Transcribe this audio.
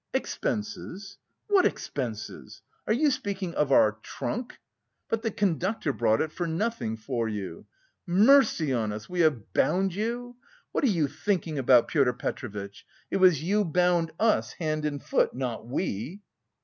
"Expenses? What expenses? Are you speaking of our trunk? But the conductor brought it for nothing for you. Mercy on us, we have bound you! What are you thinking about, Pyotr Petrovitch, it was you bound us, hand and foot, not we!"